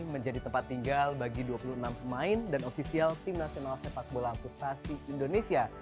menjadi tempat tinggal bagi dua puluh enam pemain dan ofisial tim nasional sepak bola amputasi indonesia